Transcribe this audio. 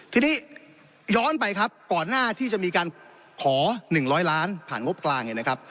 ทีนี้ย้อนไปครับก่อนหน้าที่จะมีการขอ๑๐๐ล้านผ่านงบกลางเนี่ยนะครับ